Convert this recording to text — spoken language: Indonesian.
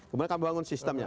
kemudian kami bangun sistemnya